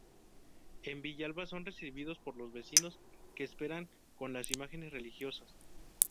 En Villalba son recibidos por los vecinos, que esperan con las imágenes religiosas.